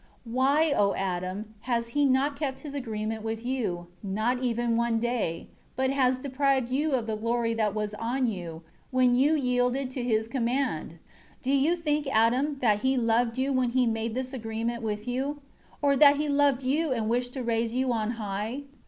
6 Why, O Adam, has he not kept his agreement with you, not even one day; but has deprived you of the glory that was on you when you yielded to his command? 7 Do you think, Adam, that he loved you when he made this agreement with you? Or that he loved you and wished to raise you on high?